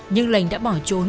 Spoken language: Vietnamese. nhưng lành đã bỏ trốn